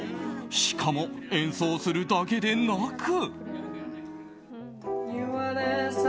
しかも、演奏するだけでなく。